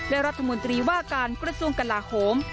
และรัฐมนตรีว่าการกระทรวงกลาโหม